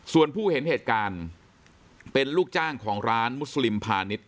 ส่วนผู้เห็นเหตุการณ์เป็นลูกจ้างของร้านมุสลิมพาณิชย